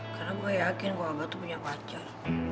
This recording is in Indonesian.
karena gue gak yakin kalo abah tuh punya pacar